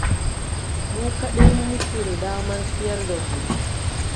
Mu kaɗai muke da damar siyar da su.